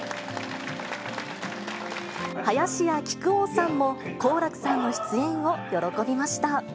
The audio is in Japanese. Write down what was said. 林家木久扇さんも、好楽さんの出演を喜びました。